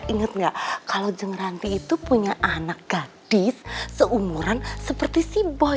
ingat gak kalau jeng ranti itu punya anak gadis seumuran seperti si boy